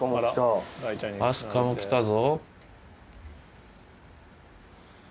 明日香も来たぞ。